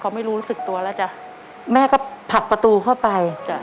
เขาไม่รู้สึกตัวแล้วจ้ะแม่ก็ผลักประตูเข้าไปจ้ะ